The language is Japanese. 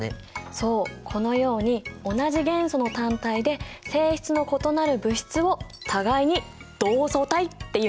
そうこのように同じ元素の単体で性質の異なる物質を互いに同素体っていうんだ。